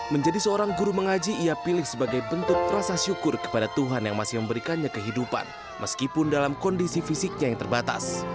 menjadi seorang guru mengaji ia pilih sebagai bentuk rasa syukur kepada tuhan yang masih memberikannya kehidupan meskipun dalam kondisi fisiknya yang terbatas